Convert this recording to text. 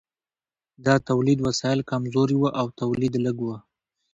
د تولید وسایل کمزوري وو او تولید لږ و.